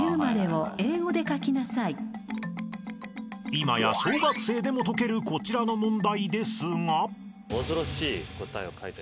［今や小学生でも解けるこちらの問題ですが］